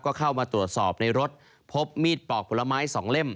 ก็เข้ามาตรวจสอบในรถพบมีดปอกผลไม้๒เล่ม